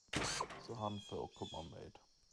Så han får komma med.